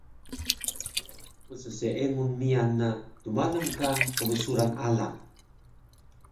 Psseengun miyan na tmalang ka qbsuran alang